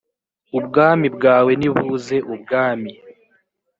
ubwami bwawe nibuze ubwami